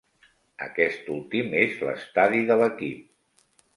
Aquest últim és l'estadi de l'equip.